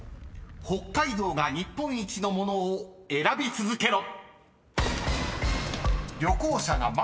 ［北海道が日本一のものを選び続けろ！］